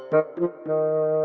berlian kum berlian